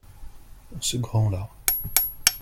Ce grand-là.